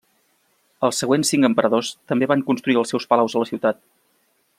Els següents cinc emperadors també van construir els seus palaus a la ciutat.